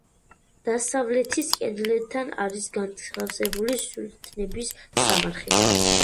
დასავლეთის კედელთან არის განთავსებული სულთნების სამარხი.